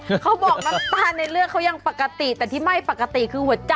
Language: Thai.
เขาบอกน้ำตาลในเลือดเขายังปกติแต่ที่ไม่ปกติคือหัวใจ